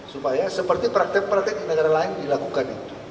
supaya seperti praktek praktek di negara lain dilakukan itu